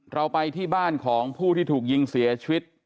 เราไปที่บ้านของผู้ที่ถูกยิงเสียชีวิต